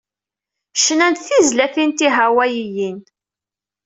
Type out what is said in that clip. Cnant tizlatin tihawayiyin.